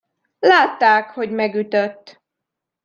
Látták, hogy megütött!